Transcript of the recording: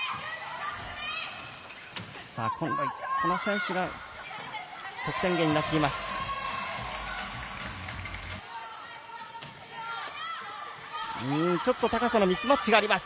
この選手が得点源になっています。